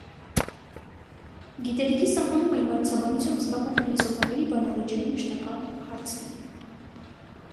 Գիտելիքի սահմանումը իմացաբանությամբ զբաղվող փիլիսոփաների բանավեճերի մշտական հարցն է։